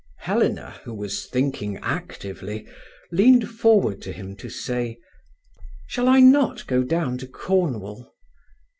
Helena, who was thinking actively, leaned forward to him to say: "Shall I not go down to Cornwall?"